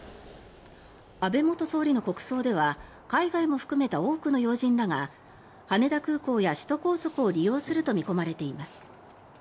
安倍元総理の国葬では海外も含めた多くの要人らが羽田空港や首都高速を利用すると見込まれています。